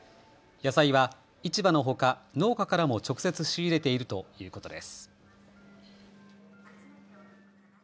野菜は市場のほか農家からも直接仕入れているということです。